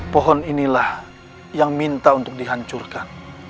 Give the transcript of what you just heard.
pohon inilah yang minta untuk dihancurkan